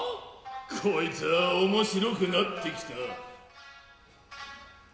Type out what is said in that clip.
こいつァ面白くなって来た。